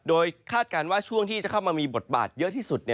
โดยคาดการณ์ว่าช่วงที่จะเข้ามามีบทบาทเยอะที่สุด